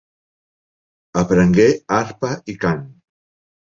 Aprengué arpa i cant.